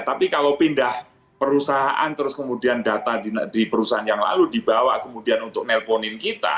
tapi kalau pindah perusahaan terus kemudian data di perusahaan yang lalu dibawa kemudian untuk nelponin kita